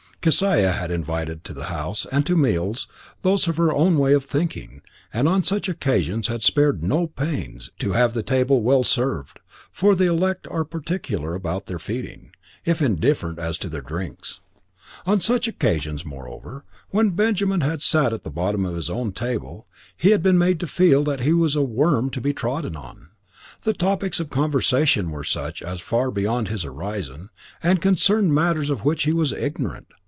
Kesiah had invited to the house and to meals, those of her own way of thinking, and on such occasions had spared no pains to have the table well served, for the elect are particular about their feeding, if indifferent as to their drinks. On such occasions, moreover, when Benjamin had sat at the bottom of his own table, he had been made to feel that he was a worm to be trodden on. The topics of conversation were such as were far beyond his horizon, and concerned matters of which he was ignorant.